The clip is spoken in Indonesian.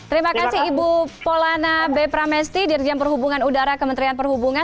terima kasih ibu polana b pramesti dirjen perhubungan udara kementerian perhubungan